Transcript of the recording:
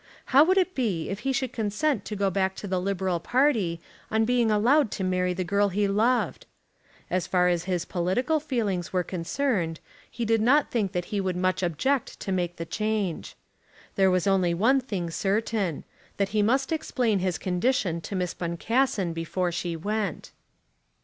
How would it be if he should consent to go back to the Liberal party on being allowed to marry the girl he loved? As far as his political feelings were concerned he did not think that he would much object to make the change. There was only one thing certain, that he must explain his condition to Miss Boncassen before she went.